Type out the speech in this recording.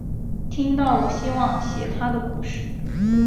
听到我希望写她的故事